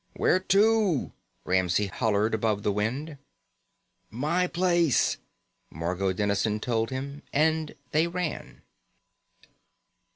"Where to?" Ramsey hollered above the wind. "My place," Margot Dennison told him, and they ran.